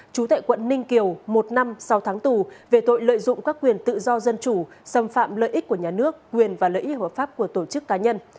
chú tại quận ninh kiều một năm sau tháng tù về tội lợi dụng các quyền tự do dân chủ xâm phạm lợi ích của nhà nước quyền và lợi ích hợp pháp của tổ chức cá nhân